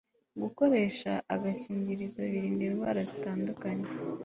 gukoresha agakingirizo birinda indwara zitandukanye